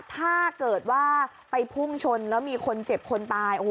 ถ้าเกิดว่าไปพุ่งชนแล้วมีคนเจ็บคนตาย